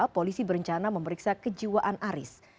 polisi berencana memeriksa kejiwaan aris